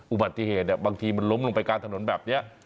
อุบัติเหตุบางทีมันล้มลงไปกลางถนนแบบนี้